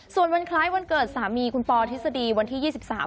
ส่วนวันคล้ายวันเกิดสามีคุณปอทฤษฎีวันที่๒๓